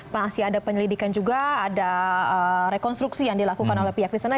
masih ada penyelidikan juga ada rekonstruksi yang dilakukan oleh pihak di sana